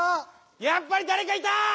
やっぱりだれかいた！